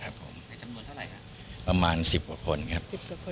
ประมาณ๑๐กว่าคนครับ